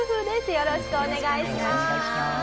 よろしくお願いします。